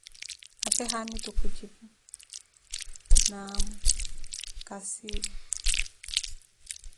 apee haamitu khujipu, naamu kasiila.